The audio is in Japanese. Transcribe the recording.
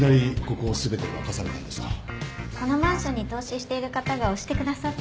このマンションに投資している方が推してくださって。